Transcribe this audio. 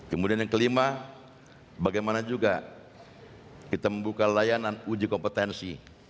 kemudian yang kelima bagaimana juga kita membuka layanan uji kompetensi